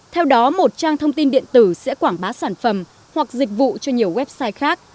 theo đó một trang thông tin điện tử sẽ quảng bá sản phẩm hoặc dịch vụ cho nhiều website khác